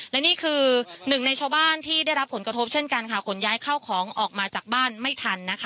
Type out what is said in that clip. และนี่คือหนึ่งในชาวบ้านที่ได้รับผลกระทบเช่นกันค่ะขนย้ายเข้าของออกมาจากบ้านไม่ทันนะคะ